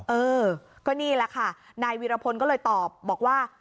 เออก็นี่แหละค่ะนายวีรพลก็เลยตอบบอกว่า